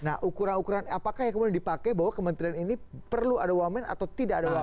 nah ukuran ukuran apakah yang kemudian dipakai bahwa kementerian ini perlu ada wamen atau tidak ada wamen